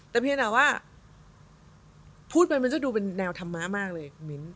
แต่เพียงแต่ว่าพูดไปมันจะดูเป็นแนวธรรมะมากเลยมิ้น